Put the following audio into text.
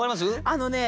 あのね